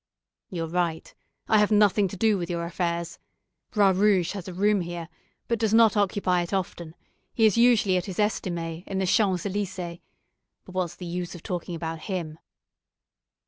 "You're right; I have nothing to do with your affairs. Bras Rouge has a room here, but does not occupy it often. He is usually at his estaminet in the Champs Elysées. But what's the good of talking about him?"